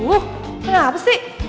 aduh kenapa sih